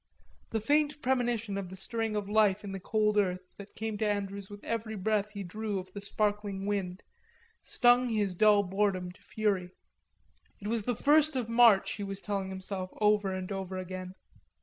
The faint premonition of the stirring of life in the cold earth, that came to Andrews with every breath he drew of the sparkling wind, stung his dull boredom to fury. It was the first of March, he was telling himself over and over again.